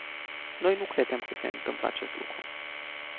Noi nu credem că se întâmplă acest lucru.